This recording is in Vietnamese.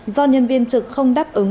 do nhân viên trực không đáp ứng